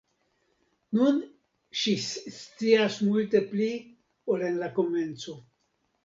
Nun ŝi scias multe pli ol en la komenco.